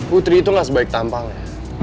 putri itu gak sebaik tampangnya